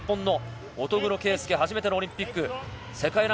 乙黒圭祐、初めてのオリンピック。